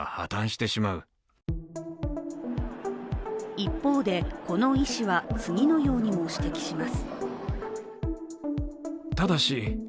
一方で、この医師は次のようにも指摘します。